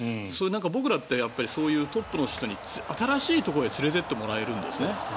僕らってそういうトップの人に新しいところへ連れてってもらえるんですね。